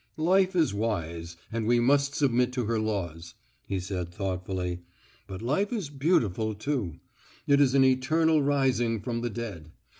"Life is wise, and we must submit to her laws," he said thoughtfully. "But life is beautiful too. It is an eternal rising from the dead.